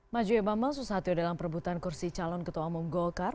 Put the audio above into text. majuib amel susah hati dalam perbutan kursi calon ketua umum golkar